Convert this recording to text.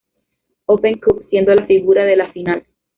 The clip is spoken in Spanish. Open Cup siendo la figura de la final.